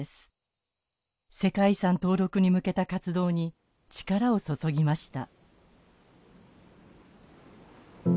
世界遺産登録に向けた活動に力を注ぎました。